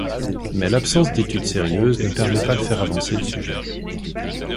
Mais l'absence d'études sérieuses ne permet pas de faire avancer le sujet.